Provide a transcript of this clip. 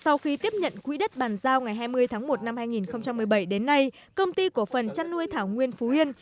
sau khi tiếp nhận quỹ đất bàn giao ngày hai mươi tháng một năm hai nghìn một mươi bảy đến nay công ty cổ phần chăn nuôi thảo nguyên phú yên